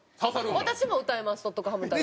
私も歌います『とっとこハム太郎』。